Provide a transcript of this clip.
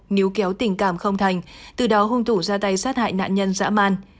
níu kéo tình cảm không thành từ đó hung thủ ra tay sát hại nạn nhân dã man